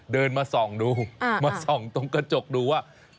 เดินมาส่องดูมาส่องตรงกระจกดูว่า